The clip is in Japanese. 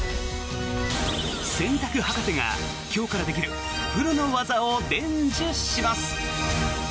洗濯ハカセが今日からできるプロの技を伝授します。